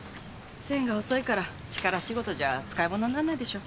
線が細いから力仕事じゃ使い物になんないでしょ。